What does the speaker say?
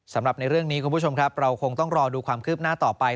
สำหรับในเรื่องนี้คุณผู้ชมครับเราคงต้องรอดูความคืบหน้าต่อไป